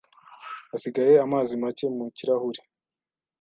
Hasigaye amazi make mu kirahure.